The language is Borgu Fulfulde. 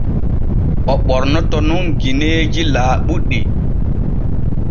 O ɓornoto nun gineeji laaɓuɗi.